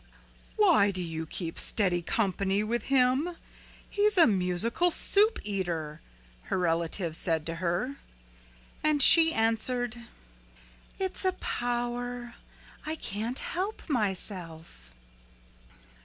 "Why do you keep steady company with him? He's a musical soup eater," her relatives said to her. And she answered, "It's a power I can't help myself."